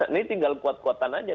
ini tinggal kuat kuatan aja